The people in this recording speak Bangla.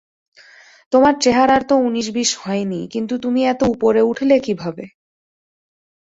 তোমার চেহারার তো ঊনিশ-বিশ হয়নি, কিন্তু তুমি এত উপরে উঠলে কীভাবে?